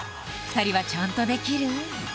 ２人はちゃんとできる？